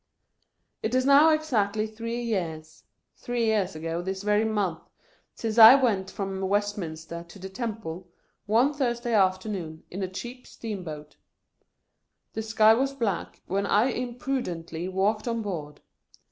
It is now exactly three years — three years ago, this very month — since I went from Westminster to the Temple, one Thursday afternoon, in a cheap steam boat. The sky was black, when I imprudently walked on board.